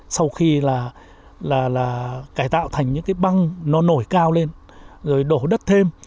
sau khi là cải tạo thành những cái băng nó nổi cao lên rồi đổ đất thêm